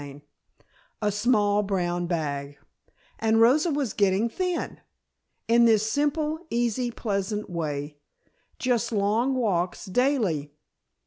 CHAPTER XX A SMALL BROWN BAG And Rosa was getting thin! In this simple, easy, pleasant way just long walks, daily.